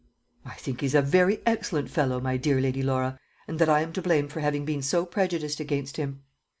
"I think he is a very excellent fellow, my dear Lady Laura; and that I am to blame for having been so prejudiced against him."